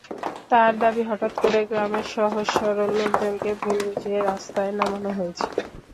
তাঁর দাবি, হঠাৎ করে গ্রামের সহজ-সরল লোকজনকে ভুল বুঝিয়ে রাস্তায় নামানো হয়েছে।